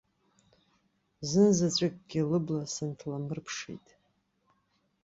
Зынзаҵәыкгьы лыбла сынҭалмырԥшит.